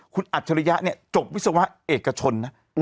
คุณอัจฉริยะเนี่ยจบวิศวะเอกชนนะ